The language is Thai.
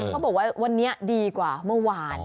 เขาบอกว่าวันนี้ดีกว่าเมื่อวาน